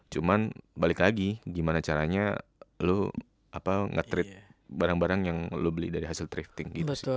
cuman balik lagi gimana caranya lu nge treat barang barang yang lo beli dari hasil thrifting gitu